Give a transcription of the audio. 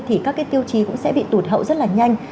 thì các cái tiêu chí cũng sẽ bị tụt hậu rất là nhanh